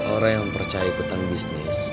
orang yang percaya ikutan bisnis